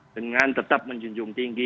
dengan tetap menjunjung tinggi